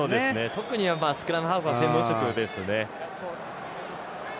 特にスクラムハーフは専門職ですね。